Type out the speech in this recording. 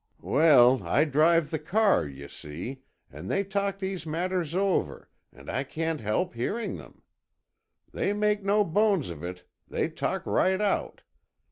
"Well, I drive the car, you see, and they talk these matters over, and I can't help hearing them. They make no bones of it, they talk right out.